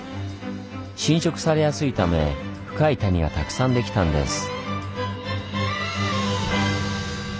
浸食されやすいため深い谷がたくさんできたんです。